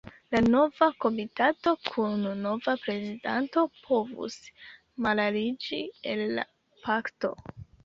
Nova komitato kun nova prezidanto povus malaliĝi el la Pakto.